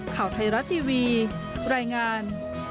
ข่าวไทยรัฐทีวีรายงาน